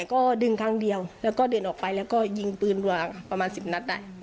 ก็ดึงครั้งเดียวแล้วก็เดินออกไปแล้วก็ยิงปืนกว่าประมาณ๑๐นัด